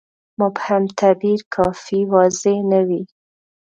مبهم تعبیر کافي واضحه نه وي.